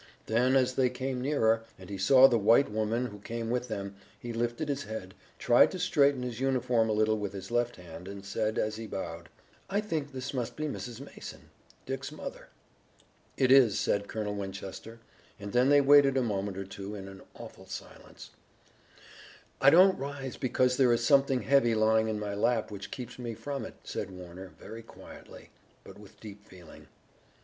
Then as they came nearer, and he saw the white woman who came with them, he lifted his head, tried to straighten his uniform a little with his left hand, and said as he bowed: "I think this must be Mrs. Mason, Dick's mother." "It is," said Colonel Winchester, and then they waited a moment or two in an awful silence. "I don't rise because there is something heavy lying in my lap which keeps me from it," said Warner very quietly, but with deep feeling.